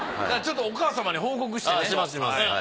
ちょっとお母様に報告してね。